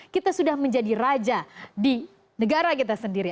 kita sudah menjadi raja di negara kita sendiri